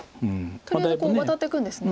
とりあえずワタっていくんですね。